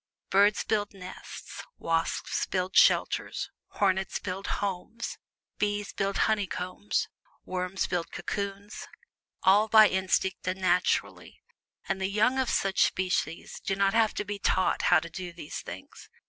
Birds build nests, wasps build shelter, hornets build homes, bees build honey combs, worms build cocoons, snails build shells all by instinct and "naturally" and the young of such species do not have to be TAUGHT how to do these things.